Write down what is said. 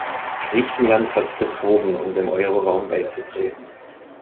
Griechenland hat betrogen, um dem Euroraum beizutreten.